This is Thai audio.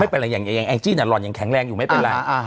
ไม่เป็นไรอย่างไอ้จีนไอ้รอนยังแข็งแรงอยู่ไม่เป็นไร